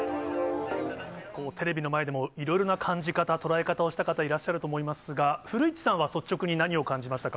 テレビの前でもいろいろな感じ方、捉え方をした方、いらっしゃると思いますが、古市さんは率直に何を感じましたか。